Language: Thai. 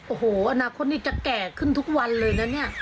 โอ้โหอนาคตนี้จะแก่ขึ้นทุกวันเลยนะเนี่ย